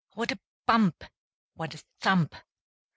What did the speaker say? what a bump! what a thump!